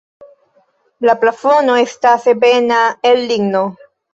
La plafono estas ebena el ligno.